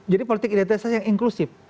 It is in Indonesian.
jadi politik identitas yang inklusif